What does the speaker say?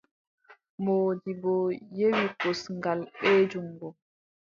Moodibbo yewi kosngal, bee juŋngo.